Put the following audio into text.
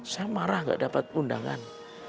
saya marah gak dapat undangan